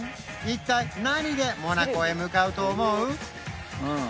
一体何でモナコへ向かうと思う？